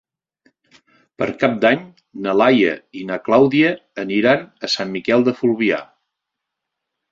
Per Cap d'Any na Laia i na Clàudia aniran a Sant Miquel de Fluvià.